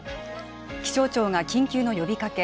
気象庁が緊急の呼びかけ